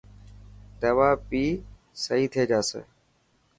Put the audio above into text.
دوا پي سهي ٿي جائيس.